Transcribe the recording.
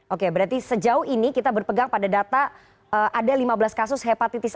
oke berarti sejauh ini kita berpegang pada data ada lima belas kasus hepatitis